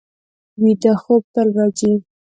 ویده خوب تل راځي